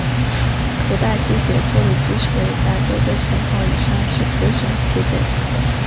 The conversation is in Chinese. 可待击解脱的击锤在多个型号以上是可选配备。